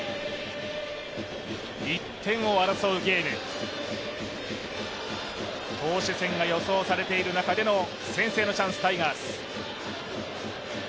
１点を争うゲーム、投手戦が予想されている中での先制のチャンス、タイガース。